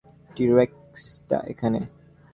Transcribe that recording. T-rex টা এখানে?